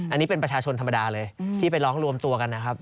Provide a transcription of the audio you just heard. อันนี้เป็นประชาชนธรรมดาเลยที่ไปร้องรวมตัวกันนะครับ